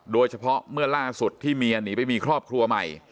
เมื่อล่าสุดที่เมียหนีไปมีครอบครัวใหม่